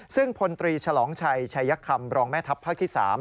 ซึ่งพลตรีฉลองชัยชัยคำรองแม่ทัพภาคที่๓